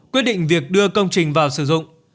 quyết định việc đưa công trình vào sử dụng